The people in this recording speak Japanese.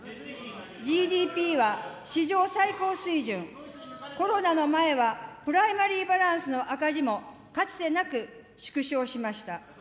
ＧＤＰは史上最高水準、コロナの前はプライマリーバランスの赤字も、かつてなく縮小しました。